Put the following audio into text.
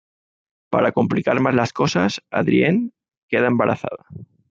Para complicar más las cosas, Adrienne queda embarazada.